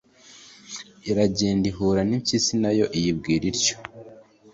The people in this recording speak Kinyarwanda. iragenda ihura n’impyisi na yo iyibwira ityo.